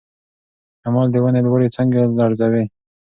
شمال د ونې لوړې څانګې لړزوي.